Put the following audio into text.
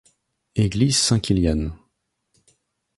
Église Saint-Kilian.